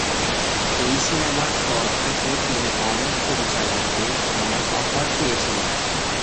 এই সিনেমার পর থেকে তিনি অনেক পরিচালকদের অনেক অফার পেয়েছিলেন।